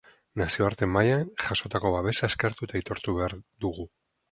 Nazioarte mailan jasotako babesa eskertu eta aitortu behar dugu.